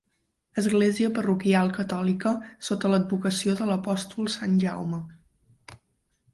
Església parroquial catòlica sota l'advocació de l'apòstol Sant Jaume.